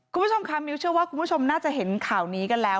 คุณผู้ชมค่ะมิ้วเชื่อว่าคุณผู้ชมน่าจะเห็นข่าวนี้กันแล้ว